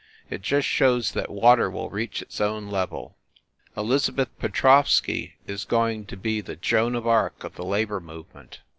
It just shows that water will reach its own level. Elizabeth Petrovsky is going to be the Joan of Arc of the Labor Movement.